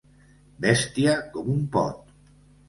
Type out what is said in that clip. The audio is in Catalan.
Bèstia com un pot.